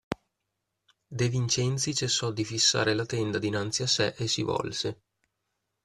De Vincenzi cessò di fissare la tenda dinanzi a sé e si volse.